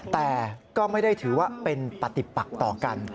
แต่ก็ไม่ได้ถือว่าเป็นปฏิปักต่อกัน